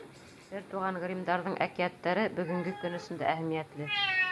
Бер туған Гриммдарҙың әкиәттәре бөгөнгө көн өсөн дә әһәмиәтле.